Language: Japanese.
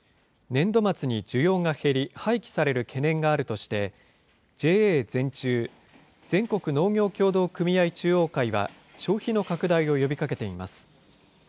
年度末に需要が減り、廃棄される懸念があるとして、ＪＡ全中・全国農業協同組合中央会は消費の拡大を呼びかけています。